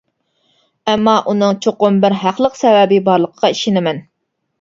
ئەمما ئۇنىڭ چوقۇم بىر ھەقلىق سەۋەبى بارلىقىغا ئىشىنىمەن.